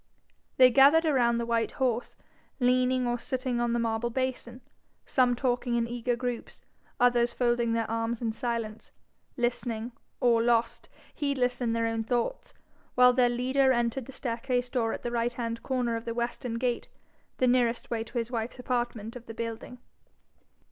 They gathered around the white horse, leaning or sitting on the marble basin, some talking in eager groups, others folding their arms in silence, listening, or lost heedless in their own thoughts, while their leader entered the staircase door at the right hand corner of the western gate, the nearest way to his wife's apartment of the building.